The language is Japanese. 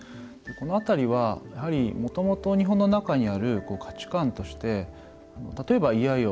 この辺りは、やはりもともと日本の中にある価値観として例えば、嫌よ